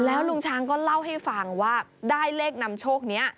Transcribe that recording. แล้วลุงช้างก็เล่าให้ฟังว่าได้เลขนำโชคนี้